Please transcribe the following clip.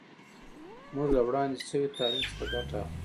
موږ له وړاندې شوي تحلیل څخه ګټه اخلو.